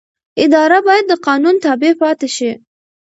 اداره باید د قانون تابع پاتې شي.